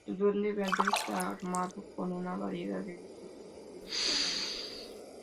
El Duende Verde está armado con una variedad de dispositivos extraños.